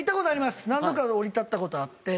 何度か降り立った事あって。